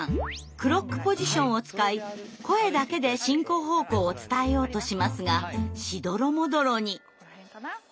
クロックポジションを使い声だけで進行方向を伝えようとしますがしどろもどろに。